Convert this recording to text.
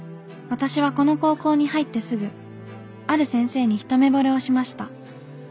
「私はこの高校に入ってすぐある先生にひとめぼれをしました。